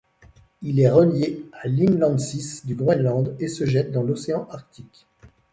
Il est relié à l'inlandsis du Groenland et se jette dans l'océan Arctique.